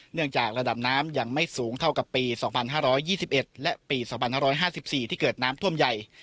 เนื่องจากระดับน้ำยังไม่สูงเท่ากับปี๒๕๒๑และปี๒๕๕๔ที่เกิดน้ำท่วมใหญ่